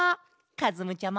かずむちゃま？